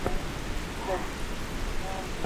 জনপদের কোন লোকই নবীর উপর ঈমান আনল না।